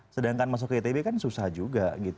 sedangkan masuk ke itb kan susah juga